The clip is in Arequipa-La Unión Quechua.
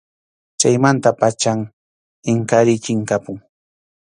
Chaymanta pacham Inkariy chinkapun.